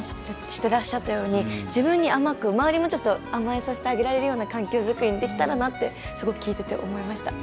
自分に甘く周りもちょっと甘えさせてあげられるような環境作りにできたらなってすごく聞いてて、思いました。